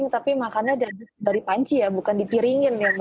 tapi makannya dari panci ya bukan dipiringin ya